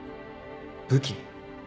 武器？